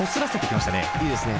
いいですね。